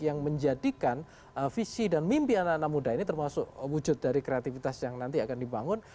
yang menjadikan visi dan mimpi anak anak muda ini termasuk wujud dari kreativitas yang nanti akan dibangun